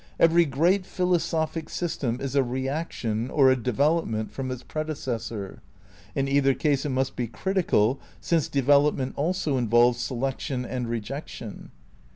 Every great philosophic system is a reaction or a development from its prede cessor; in either case it must be critical, since develop ment also involves selection and rejection.